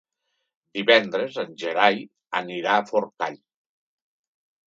Divendres en Gerai anirà a Forcall.